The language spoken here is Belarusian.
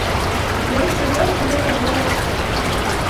Ён сказаў, што гэта было пад ціскам.